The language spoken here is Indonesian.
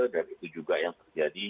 dan itu juga yang terjadi